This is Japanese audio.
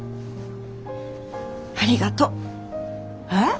ありがとう。えっ？